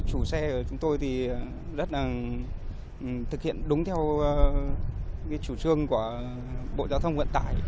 thực hiện đúng theo chủ trương của bộ giao thông nguyện tải